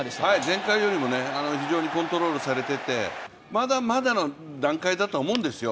前回よりコントロールされてて、まだまだの段階だと思うんですよ